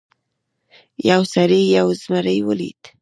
یو سړي یو زمری ولید.